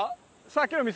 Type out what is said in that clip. さっきの道。